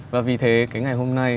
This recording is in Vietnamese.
và vì thế cái ngày hôm nay